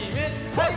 はい！